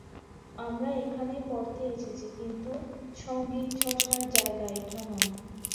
আমরা এখানে পড়তে এসেছি, কিন্তু সংগীতচর্চার জায়গা এটা নয়।